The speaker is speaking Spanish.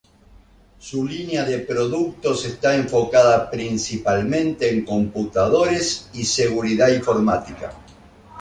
Su línea de productos está enfocada principalmente en computadores y seguridad informática.